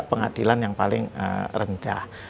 pengadilan yang paling rendah